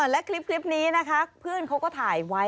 และคลิปนี้นะคะเพื่อนเขาก็ถ่ายไว้